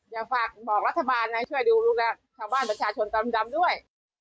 อยากฝากบอกรัฐบาลนะช่วยดูแลชาวบ้านประชาชนดำด้วย